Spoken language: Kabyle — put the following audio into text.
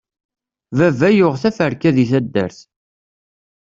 Baba yuɣ teferka di taddart.